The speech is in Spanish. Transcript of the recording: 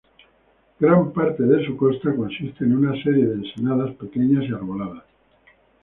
Gran parte de su costa consiste en una serie de ensenadas pequeñas y arboladas.